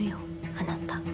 あなた。